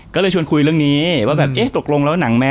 ก็เลยชวนคุยเรื่องนี้ว่าแบบเอ๊ะตกลงแล้วหนังแม่